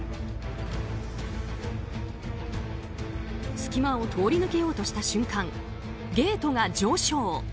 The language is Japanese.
隙間を通り抜けようとした瞬間ゲートが上昇。